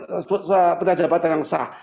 sebuah pejabatan yang sah